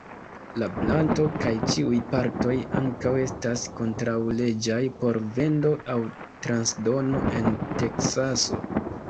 La planto kaj ĉiuj partoj ankaŭ estas kontraŭleĝaj por vendo aŭ transdono en Teksaso.